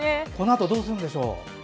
このあとどうするんでしょう？